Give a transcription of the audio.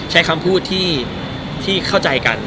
ใช้คำพูดที่เข้าใจกัน